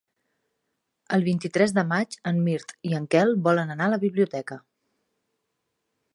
El vint-i-tres de maig en Mirt i en Quel volen anar a la biblioteca.